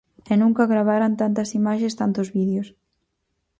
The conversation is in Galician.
E nunca gravaran tantas imaxes, tantos vídeos.